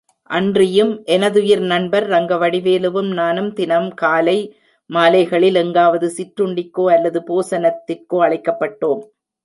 அன்றியும் எனதுயிர் நண்பர் ரங்கவடிவேலுவும் நானும் தினம் காலை மாலைகளில் எங்காவது சிற்றுண்டிக்கோ அல்லது போசனத்திற்கோ அழைக்கப்பட்டோம்.